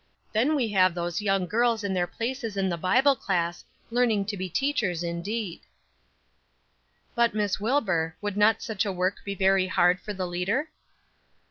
Then we have those young girls in their places in the Bible class learning to be teachers indeed." "But, Miss Wilbur, would not such a work be very hard for the leader?"